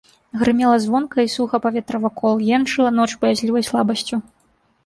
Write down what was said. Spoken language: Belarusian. Грымела звонка і суха паветра вакол, енчыла ноч баязлівай слабасцю.